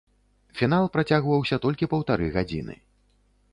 Фінал працягваўся толькі паўтары гадзіны.